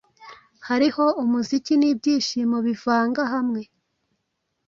Hariho umuziki nibyishimo bivanga hamwe